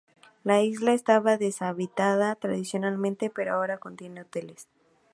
La isla estaba deshabitada, tradicionalmente, pero ahora contiene hoteles.